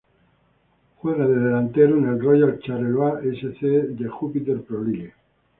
Juega de delantero en el Royal Charleroi S. C. de la Jupiler Pro League.